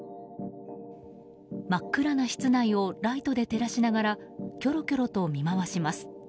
真っ暗な室内をライトで照らしながらきょろきょろと見渡します。